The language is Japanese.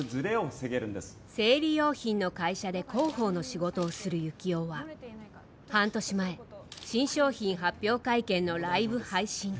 生理用品の会社で広報の仕事をする幸男は半年前、新商品発表会見のライブ配信中。